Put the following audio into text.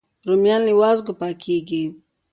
رومیان له وازګو پاکېږي